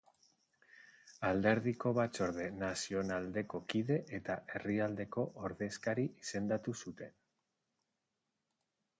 Alderdiko Batzorde Nazionaleko kide eta herrialdeko ordezkari izendatu zuten.